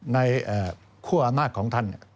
ในคู่อามาสของท่าน